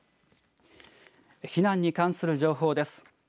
避難に関する情報です。